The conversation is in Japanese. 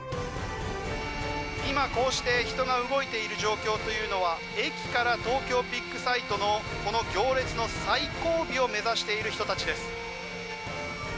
今、こうして人が動いている状況というのは駅から東京ビッグサイトのこの行列の最後尾を目指している人たちです。